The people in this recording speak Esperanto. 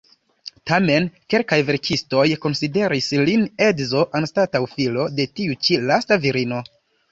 Tamen, kelkaj verkistoj konsideris lin edzo, anstataŭ filo, de tiu ĉi lasta virino.